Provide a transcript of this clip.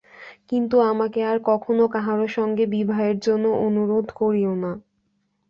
কিন্তু আমাকে আর কখনো কাহারো সঙ্গে বিবাহের জন্য অনুরোধ করিয়ো না।